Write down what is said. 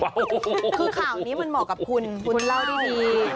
คือข่าวนี้มันเหมาะกับคุณคุณเล่าได้ดี